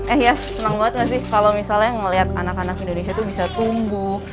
eh ya senang banget gak sih kalau misalnya melihat anak anak indonesia tuh bisa tumbuh